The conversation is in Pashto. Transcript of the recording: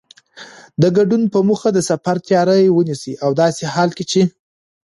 د ګډون په موخه د سفر تیاری ونیوه او داسې حال کې چې